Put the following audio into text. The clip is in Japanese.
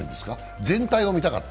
全体を見たかった？